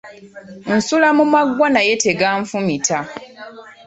Nsula mu maggwa naye teganfumita.